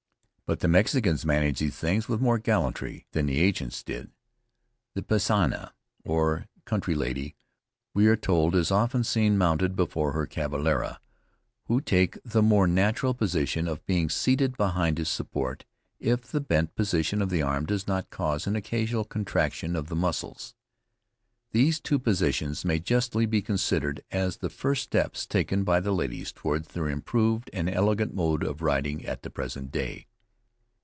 But the Mexicans manage these things with more gallantry than the ancients did. The "pisanna," or country lady, we are told is often seen mounted before her "cavalera," who take the more natural position of being seated behind his fair one, supporting her by throwing his arm around her waist, (a very appropriate support if the bent position of the arm does not cause an occasional contraction of the muscles.) These two positions may justly be considered as the first steps taken by the ladies towards their improved and elegant mode of riding at the present day.